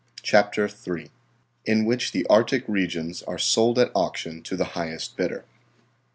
CHAPTER III.IN WHICH THE ARCTIC REGIONS ARE SOLD AT AUCTION TO THE HIGHEST BIDDER.